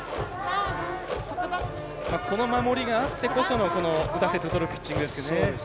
この守りがあってこそのこの打たせてとるピッチングですね。